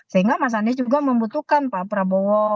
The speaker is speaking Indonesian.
sehingga mas anies juga membutuhkan pak prabowo